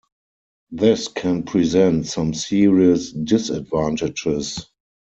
This can present some serious disadvantages.